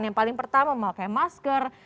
yang paling pertama memakai masker